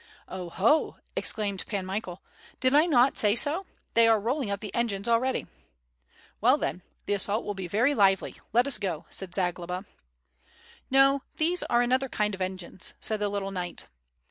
"Oh, ho!" exclaimed Pan Michael, "did I not say so? They are rolling up the engines already." "Well then, the assault will be very lively. Let us go," said Zagloba. "No, these are another kind of engines," said the little knight.